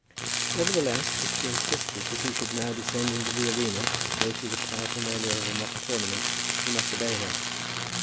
Nevertheless, if she insisted that he should now descend into the arena and go through the paraphernalia of a mock tournament, he must obey her.